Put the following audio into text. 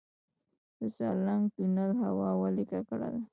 د سالنګ تونل هوا ولې ککړه ده؟